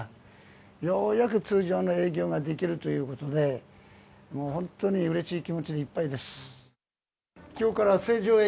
ようやく通常の営業ができるということで、もう本当にうれしい気持ちでいっぱいです。